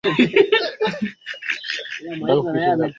mataifa ya ushirikiano Uwezo wake wa kisayansi ulipanushwa na wanasayansi